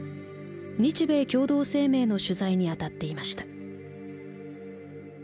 日米共同声明の取材にあたっていました。